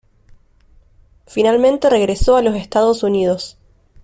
Finalmente regresó a los Estados Unidos.